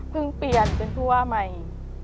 เปลี่ยนเป็นผู้ว่าใหม่